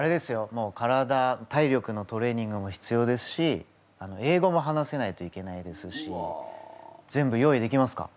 もう体体力のトレーニングも必要ですし英語も話せないといけないですし全部用意できますか？